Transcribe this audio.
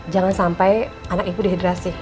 jangan sampai anak ibu dehidrasi